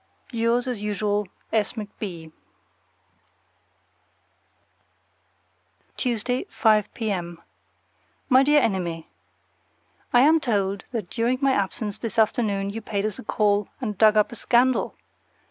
Yours, as usual, S. McB. Tuesday, 5 P.M. My dear Enemy: I am told that during my absence this afternoon you paid us a call and dug up a scandal.